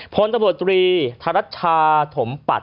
พตต๓ธรรชาถมปัส